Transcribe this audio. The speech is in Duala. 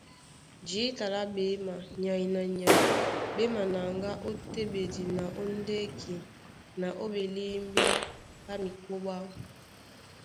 Jǐta lá ɓéma, nyay na nyay ɓé manaŋgá ó téɓedi na ó ndɛ́ki na ó ɓelímbí ɓá mikóɓá.